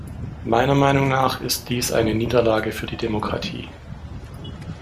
Meiner Meinung nach ist dies eine Niederlage für die Demokratie.